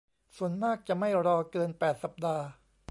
ส่วนมากจะไม่รอเกิน แปด สัปดาห์